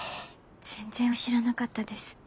全然知らなかったです。